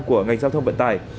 của ngành giao thông vận tải